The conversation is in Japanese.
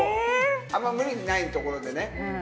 あんま無理ないところでね。